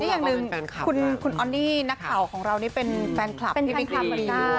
อย่างหนึ่งคุณออนนี่นักข่าวของเรานี่เป็นแฟนคลับพี่บิ๊กทำดีด้วย